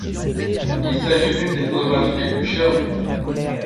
Il s'agit d'une des photographies les plus chères du monde.